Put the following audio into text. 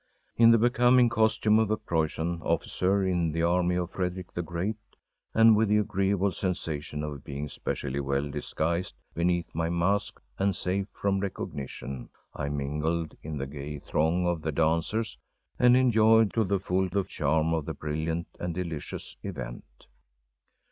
In the becoming costume of a Prussian officer in the army of Frederick the Great, and with the agreeable sensation of being specially well disguised beneath my mask and safe from recognition, I mingled in the gay throng of the dancers and enjoyed to the full the charm of the brilliant and delicious event.